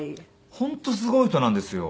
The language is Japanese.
本当すごい人なんですよ。